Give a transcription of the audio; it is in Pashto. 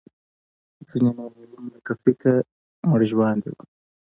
ځینې نور علوم لکه فقه مړژواندي وو.